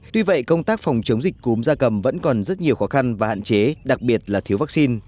tuy vậy công tác phòng chống dịch cúm da cầm vẫn còn rất nhiều khó khăn và hạn chế đặc biệt là thiếu vaccine